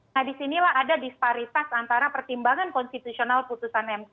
nah disinilah ada disparitas antara pertimbangan konstitusional putusan mk